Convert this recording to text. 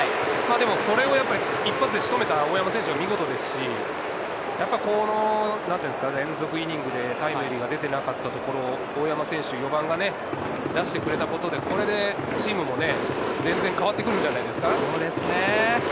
それをやっぱり一発でしとめた大山選手が見事ですし、この連続イニングでタイムリーが出てなかったところで大山選手・４番が出してくれたところで、チームも全然変わってくるんじゃないですか。